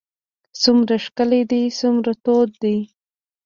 څومره ښکلی دی څومره تود دی.